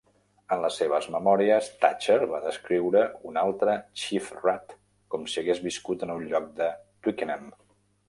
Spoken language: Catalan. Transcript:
En les seves memòries, Thatcher va descriure un altre "Chief Rat" com si hagués viscut en algun lloc de Twickenham.